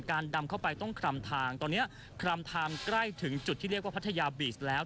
ดำเข้าไปต้องคลำทางตอนนี้คลำไทม์ใกล้ถึงจุดที่เรียกว่าพัทยาบีชแล้ว